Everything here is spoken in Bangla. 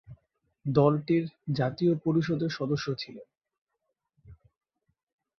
দলটির জাতীয় পরিষদের সদস্য ছিলেন।